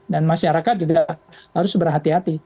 dan masyarakat juga harus berhati hati